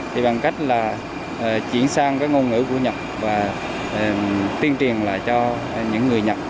thì bằng cách là chuyển sang cái ngôn ngữ của nhật và tiên triển lại cho những người nhật